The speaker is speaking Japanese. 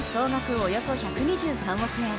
およそ１２３億円。